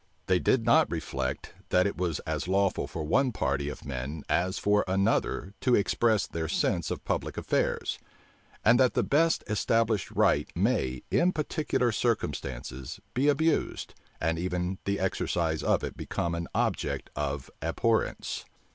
They did not reflect, that it was as lawful for one party of men as for another to express their sense of public affairs; and that the best established right may, in particular circumstances, be abused, and even the exercise of it become an object of abhorrence.